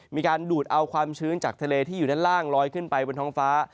มีการดูดเอาความชื้นจากทะเลที่อยู่ด้านล่างลอยขึ้นไปบนท้องฟ้า